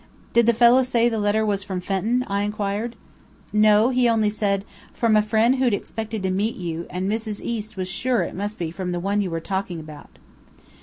"Did the fellow say the letter was from Fenton?" I inquired. "No. He only said, from a friend who'd expected to meet you; and Mrs. East was sure it must be from the one you were talking about."